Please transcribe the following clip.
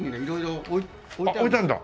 あっ置いてあるんだ。